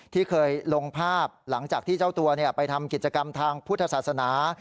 ที่เคยลงภาพหลังจากที่เจ้าตัวไปทำกิจกรรมทางพุทธศาสนา